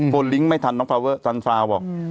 โฟลลิ้งค์ไม่ทันน้องพราวเวอร์บอก